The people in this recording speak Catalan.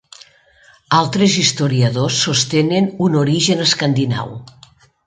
Altres historiadors sostenen un origen escandinau.